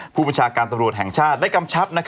ผู้บัญชาการตำรวจแห่งชาติได้กำชับ